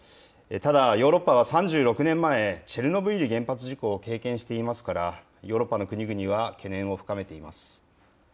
ただ、ヨーロッパは３６年前、チェルノブイリ原発事故を経験していますから、ヨーロッパの国々は懸念を深めています。